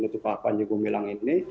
itu pak panjago bilang ini